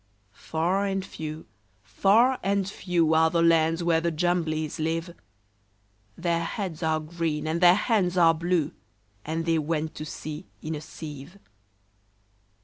Far and few, far and few, Are the lands where the Jumblies live: Their heads are green, and their hands are blue; And they went to sea in a sieve.